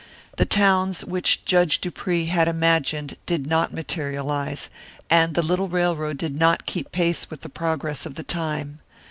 The towns which Judge Dupree had imagined did not materialise, and the little railroad did not keep pace with the progress of the time.